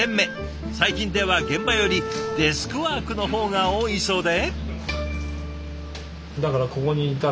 最近では現場よりデスクワークの方が多いそうで。